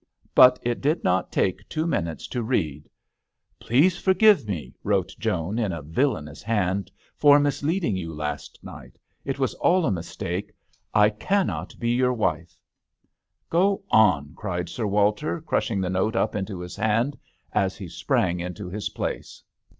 But it did not take two minutes to read. " Please forgive me," wrote Joan, in a villainous hand, " for misleading you last night. It was all a mistake. I cannot be your wife." " Go on !" cried Sir Walter, crushing the note up into his hand as he sprang into his place.